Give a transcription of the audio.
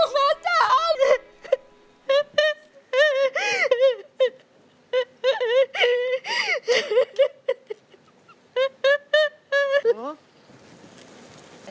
พระเจ้า